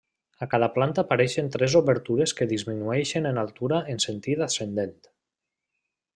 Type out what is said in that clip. A cada planta apareixen tres obertures que disminueixen en altura en sentit ascendent.